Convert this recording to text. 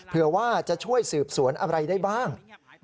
เผื่อว่าจะช่วยสืบสวนอะไรได้บ้าง